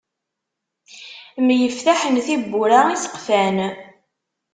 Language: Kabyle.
Myeftaḥen tibbura iseqfan.